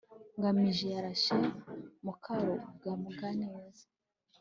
ngamije yarashe mukarugambwa neza